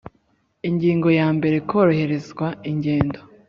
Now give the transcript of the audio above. Ingingo ya mbere Koroherezwa ingendo